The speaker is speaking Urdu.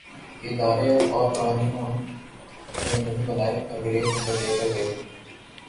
ادارے اورقوانین ہم نے نہیں بنائے‘ انگریز ہمیں دے کے گئے تھے۔